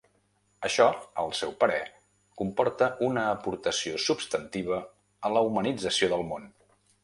Això, al seu parer, comporta ‘una aportació substantiva a la humanització del món’.